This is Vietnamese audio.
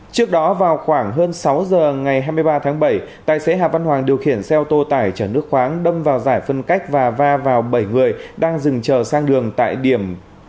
trước đó vào khoảng hơn sáu giờ ngày hai mươi ba tháng bảy tài xế hà văn hoàng điều khiển xe ô tô tải chở nước khoáng đâm vào giải phân cách và va vào bảy người đang dừng chờ sang đường tại điểm